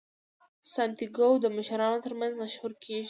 سانتیاګو د مشرانو ترمنځ مشهور کیږي.